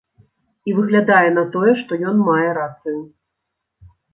І выглядае на тое, што ён мае рацыю.